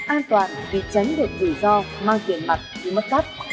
an toàn vì tránh được rủi ro mang tiền mặt bị mất cắt